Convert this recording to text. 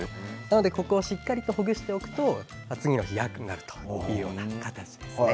ここをしっかりほぐしておくと次の日、楽になるという形ですね。